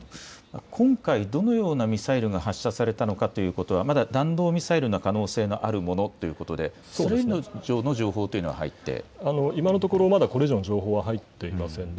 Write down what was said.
今回どのようなミサイルが発射されたのかということはまだ弾道ミサイルの可能性があるものということでそれ以上の情報というのは今のところ、これ以上の情報は入っていません。